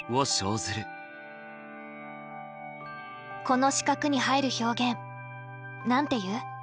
この四角に入る表現何て言う？